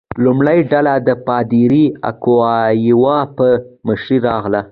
لومړۍ ډله د پادري اکواویوا په مشرۍ راغله.